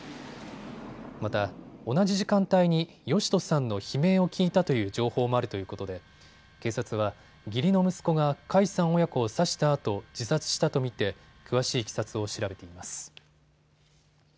また同じ時間帯に義人さんの悲鳴を聞いたという情報もあるということで警察は義理の息子が甲斐さん親子を刺したあと自殺したと見て詳しいいきさつを調べています。